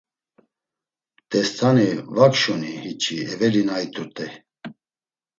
Dest̆ani va kşuni hiç̌i eveli na it̆urt̆ey?